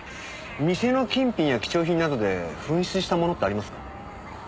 店の金品や貴重品などで紛失したものってありますか？